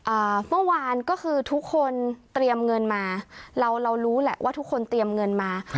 เมื่อวานก็คือทุกคนเตรียมเงินมาเราเรารู้แหละว่าทุกคนเตรียมเงินมาครับ